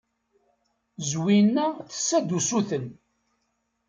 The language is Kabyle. Zwina tessa-d usuten.